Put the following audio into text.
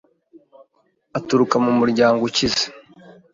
aturuka mumuryango ukize